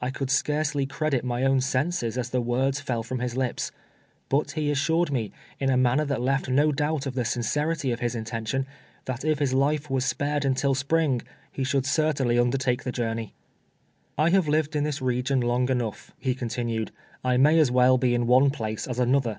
I could scarcely credit my own senses as the words fell from his lips. But he assured me, in a manner that left no doubt of the sincerity of his intention, that if his life was spared until spring, he should certainly undertahe the journey. " I have lived in this region long enough," he con tinued ;" I may as well be in one place as another.